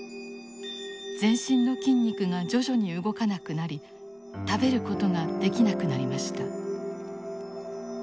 全身の筋肉が徐々に動かなくなり食べることができなくなりました。